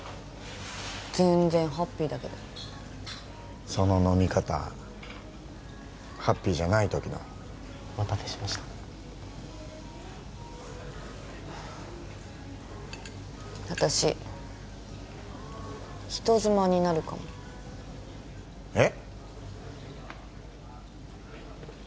全然ハッピーだけどその飲み方ハッピーじゃない時の・お待たせしました私人妻になるかもえっ？